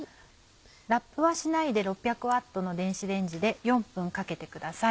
ラップはしないで６００Ｗの電子レンジで４分かけてください。